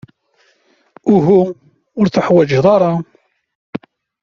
Uhu, ur teḥwajeḍ aya.